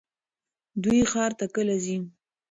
دوی ښار ته کله ځي؟